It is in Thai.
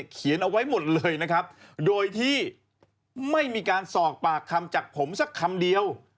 เขียนเอาไว้หมดเลยนะครับโดยที่ไม่มีการสอบปากคำจากผมสักคำเดียว